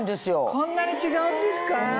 こんなに違うんですか？